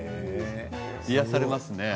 癒やされますね。